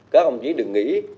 các ông chí đừng nghĩ